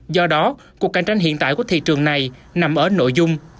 do đó cuộc cạnh tranh hiện tại của thị trường này nằm ở nội dung